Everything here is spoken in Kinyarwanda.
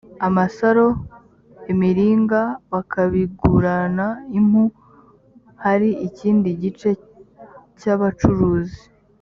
amasaro imiringa bakabigurana impu hari ikindi gice cy abacuruzi